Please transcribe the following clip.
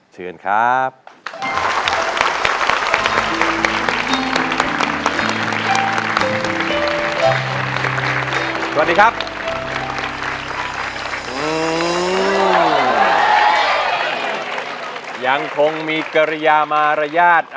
เชิญครับ